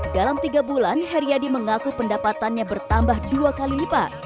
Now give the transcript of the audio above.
dalam tiga bulan heriadi mengaku pendapatannya bertambah dua kali lipat